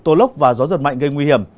tô lốc và gió giật mạnh gây nguy hiểm